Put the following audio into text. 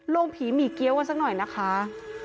ผีหมี่เกี้ยวกันสักหน่อยนะคะ